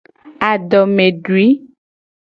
Adomedui.